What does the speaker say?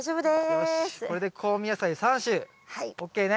よしこれで香味野菜３種ＯＫね。